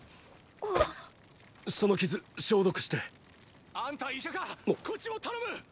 その傷消毒して。あんた医者か⁉こっちも頼む！！